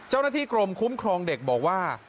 เจ้าหน้าที่กรมคุ้มครองเด็กบอกว่า